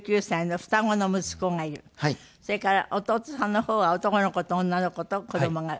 それから弟さんの方は男の子と女の子と子供がいる。